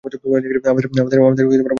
আমারে বাঁচাইতে আসছো?